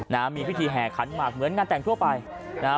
นะฮะมีพิธีแห่ขันหมากเหมือนงานแต่งทั่วไปนะฮะ